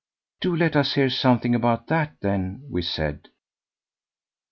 do let us hear something about that, then," we said.